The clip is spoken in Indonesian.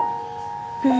pembeli buku shalat